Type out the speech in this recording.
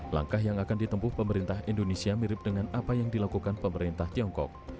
langkah yang akan ditempuh pemerintah indonesia mirip dengan apa yang dilakukan pemerintah tiongkok